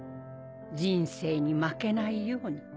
人生に負けないように。